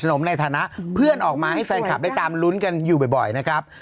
นมในฐานะเพื่อนออกมาให้แฟนคลับได้ตามลุ้นกันอยู่บ่อยนะครับ